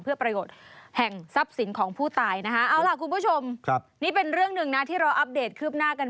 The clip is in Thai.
เพื่อประโยชน์แห่งทรัพย์สินของผู้ตายนะฮะ